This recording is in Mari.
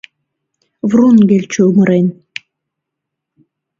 Врунгель чумырен